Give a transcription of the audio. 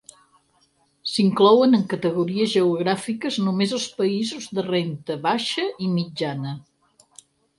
S'inclouen en categories geogràfiques només els països de renda baixa i mitjana.